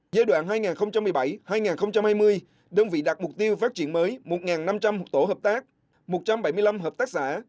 giai đoạn hai nghìn một mươi bảy hai nghìn hai mươi đơn vị đạt mục tiêu phát triển mới một năm trăm linh tổ hợp tác một trăm bảy mươi năm hợp tác xã